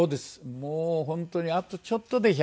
もう本当にあとちょっとで１００。